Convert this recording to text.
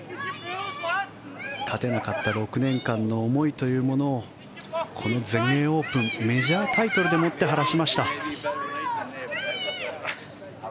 勝てなかった６年間の思いというものをこの全英オープンメジャータイトルでもって晴らしました。